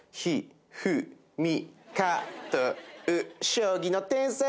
将棋の天才！